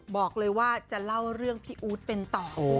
บอกเลยว่าจะเล่าเรื่องพี่อู๊ดเป็นต่อ